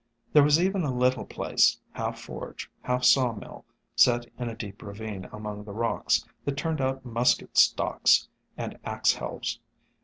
There was even a little place, half forge, half saw mill, set in a deep ravine among the rocks, that turned out musket stocks and axe helves.